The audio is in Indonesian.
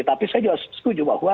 tapi saya juga setuju bahwa